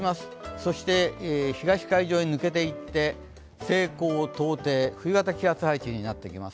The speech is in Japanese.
そして、東海上に抜けていって西高東低、冬型気圧配置になってきます。